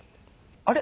あれ？